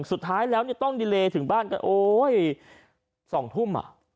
สุดท้ายแล้วต้องดีเลถึงบ้านกันโอ๊ย๒ทุ่มอ่ะ